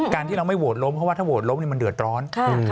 การที่เราไม่โหวตล้มเพราะว่าถ้าโหวตล้มมันเดือดร้อน